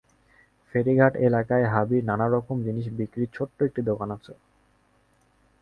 ফেরিঘাট এলাকায় হাবির নানা রকম জিনিস বিক্রির ছোট্ট একটি দোকান আছে।